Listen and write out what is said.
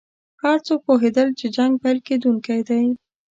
هر څوک پوهېدل چې جنګ پیل کېدونکی دی.